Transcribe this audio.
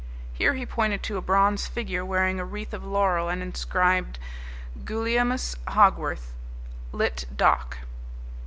Here he pointed to a bronze figure wearing a wreath of laurel and inscribed GULIEMUS HOGWORTH, LITT. DOC.